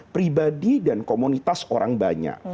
pribadi dan komunitas orang banyak